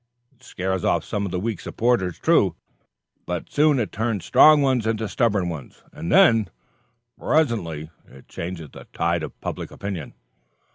It scares off some of the weak supporters, true, but it soon turns strong ones into stubborn ones. And then, presently, it changes the tide of public opinion.